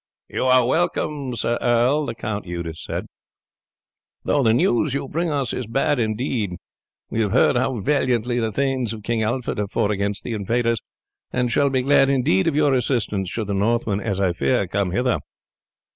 "You are welcome, sir earl," the Count Eudes said, "though the news you bring us is bad indeed. We have heard how valiantly the thanes of King Alfred have fought against the invaders, and shall be glad indeed of your assistance should the Northmen, as I fear, come hither."